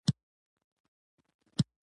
او پۀ بل لاس يې پوزه ومږله وې زۀ خو ډېر تږے يم